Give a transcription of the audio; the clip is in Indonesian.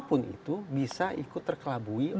apapun itu bisa ikut terkelabui